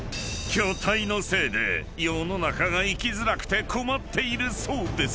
［巨体のせいで世の中が生きづらくて困っているそうですが］